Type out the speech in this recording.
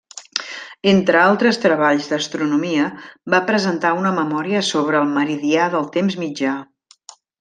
Entre altres treballs d'astronomia, va presentar una memòria sobre el meridià del temps mitjà.